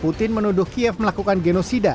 putin menuduh kiev melakukan genosida